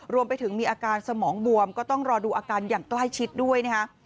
รวมไปถึงมีอาการสมองบวมก็ต้องรอดูอาการอย่างใกล้ชิดด้วยนะฮะ